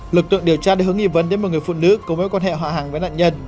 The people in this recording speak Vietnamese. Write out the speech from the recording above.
lực lượng điều tra đã hướng nghi vấn đến một người phụ nữ có mối quan hệ họ hàng với nạn nhân